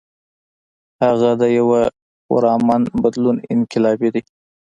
هغه د يو پُرامن بدلون انقلابي دے ۔